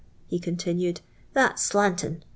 I he continued, 'that's slantin'.